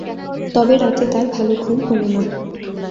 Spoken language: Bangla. তবে রাতে তাঁর ভালো ঘুম হল না।